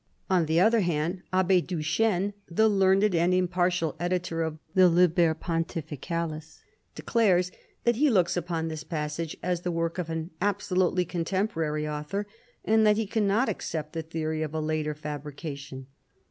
131 On the other hand, Abbe Duchesne, the learned and impartial editor of the Liber Pontificalis, declares that he looks upon this passage as the work of an absolutely contemporary author, and that he cannot accept the theory of a later fabrica tion.